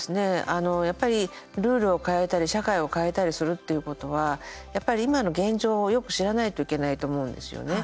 あの、やっぱりルールを変えたり社会を変えたりするっていうことは今の現状をよく知らないといけないと思うんですよね。